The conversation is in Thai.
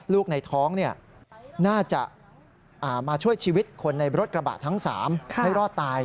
ลูกในท้องน่าจะมาช่วยชีวิตคนในรถกระบะทั้ง๓ให้รอดตาย